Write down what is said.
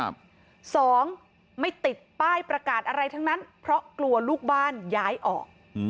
สองไม่ติดป้ายประกาศอะไรทั้งนั้นเพราะกลัวลูกบ้านย้ายออก